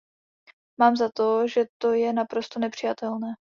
Mám za to, že to je naprosto nepřijatelné.